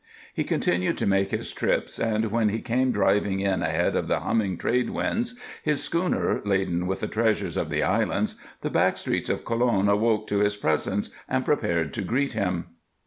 He continued to make his trips and, when he came driving in ahead of the humming trade winds, his schooner laden with the treasures of the islands, the back streets of Colon awoke to his presence and prepared to greet him.